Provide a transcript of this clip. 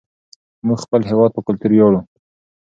موږ د خپل هېواد په کلتور ویاړو.